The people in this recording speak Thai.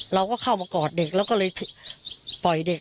เราก็เข้ามากอดเด็กแล้วก็เลยปล่อยเด็ก